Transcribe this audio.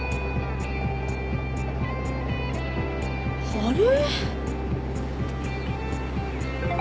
あれ？